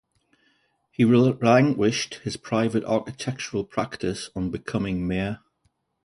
He relinquished his private architectural practice on becoming mayor.